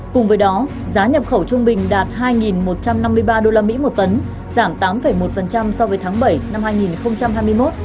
cùng với đó giá nhập khẩu trung bình đạt hai một trăm năm mươi ba usd một tấn giảm tám một so với tháng bảy năm hai nghìn hai mươi một